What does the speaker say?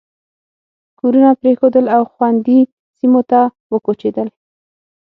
کورونه پرېښودل او خوندي سیمو ته وکوچېدل.